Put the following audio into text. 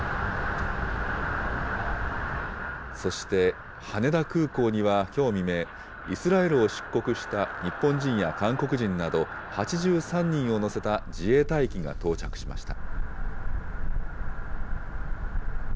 そして、羽田空港にはきょう未明、イスラエルを出国した日本人や韓国人など８３人を乗せた自衛隊機が到着しました。